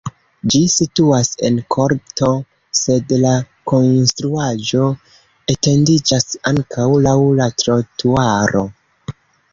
Ĝi situas en korto, sed la konstruaĵo etendiĝas ankaŭ laŭ la trotuaro.